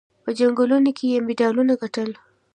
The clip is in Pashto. په جنګونو کې یې مډالونه ګټل.